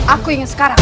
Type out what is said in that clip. aku ingin sekarang